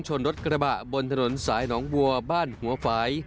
ชนรถกระบะบนถนนสายหนองบัวบ้านหัวฝ่าย